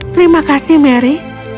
terima kasih mary